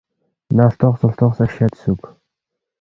ن٘ا ہلتوخسے ہلتوخسے شیدسُوک